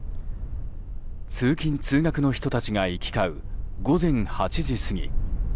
通勤・通学の人たちが行き交う午前８時過ぎ。